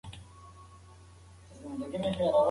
که ته په درسونو کې مېله وکړې نو نتیجه به دې خرابه وي.